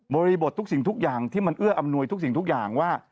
บริบททุกสิ่งทุกอย่างที่มันเอื้ออำนวยทุกสิ่งทุกอย่างว่า